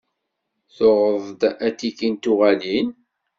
Tuɣeḍ-d atiki n tuɣalin?